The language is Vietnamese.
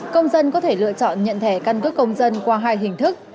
công dân có thể lựa chọn nhận thẻ căn cước công dân qua hai hình thức